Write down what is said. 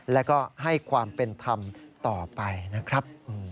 แล้วก็ให้ความเป็นธรรมต่อไปนะครับ